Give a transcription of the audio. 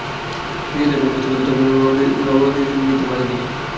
নিজের ভুল বুঝতে পেরে তখনই রওনা দিয়ে দিলেন নিজেদের মাঠের দিকে।